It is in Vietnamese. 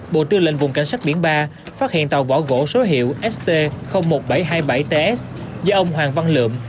bộ tư lệnh vùng cảnh sát biển ba phát hiện tàu vỏ gỗ số hiệu st một nghìn bảy trăm hai mươi bảy ts do ông hoàng văn lượm